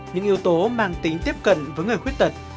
những yếu tố mang tính tiếp cận với người khuyết tật